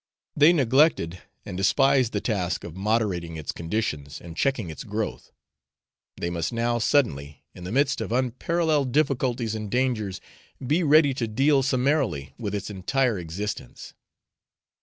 They neglected and despised the task of moderating its conditions and checking its growth; they must now suddenly, in the midst of unparalleled difficulties and dangers, be ready to deal summarily with its entire existence.